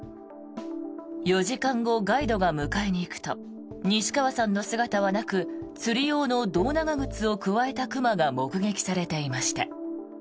４時間後、ガイドが迎えに行くと西川さんの姿はなく釣り用の胴長靴をくわえた熊が目撃されていました。